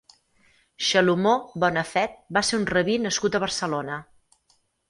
Xelomó Bonafed va ser un rabí nascut a Barcelona.